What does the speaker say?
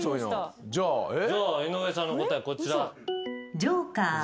じゃあ井上さんの答えこちら。